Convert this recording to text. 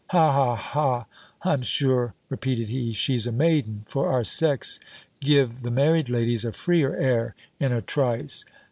Ha, ha, ha! I'm sure," repeated he, "she's a maiden For our sex give the married ladies a freer air in a trice."